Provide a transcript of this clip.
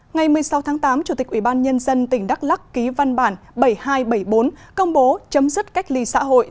ngày một mươi sáu tháng tám chủ tịch ubnd tỉnh đắk lắc ký văn bản bảy nghìn hai trăm bảy mươi bốn công bố chấm dứt cách ly xã hội